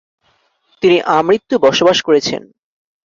তিনি আমৃত্যু বসবাস করেছেন।